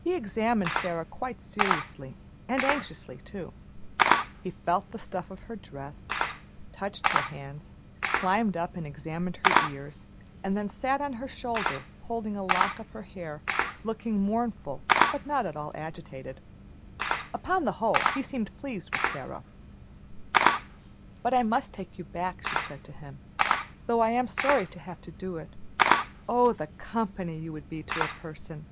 He examined Sara quite seriously, and anxiously, too. He felt the stuff of her dress, touched her hands, climbed up and examined her ears, and then sat on her shoulder holding a lock of her hair, looking mournful but not at all agitated. Upon the whole, he seemed pleased with Sara. "But I must take you back," she said to him, "though I'm sorry to have to do it. Oh, the company you would be to a person!"